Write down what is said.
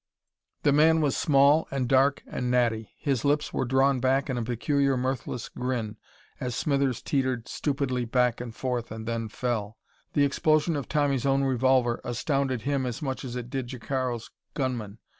The man was small and dark and natty. His lips were drawn back in a peculiar mirthless grin as Smithers teetered stupidly back and forth and then fell.... The explosion of Tommy's own revolver astounded him as much as it did Jacaro's gunman.